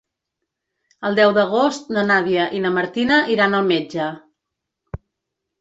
El deu d'agost na Nàdia i na Martina iran al metge.